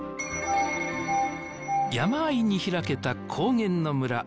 山あいに開けた高原の村